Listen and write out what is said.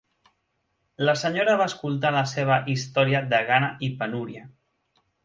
La senyora va escoltar la seva història de gana i penúria.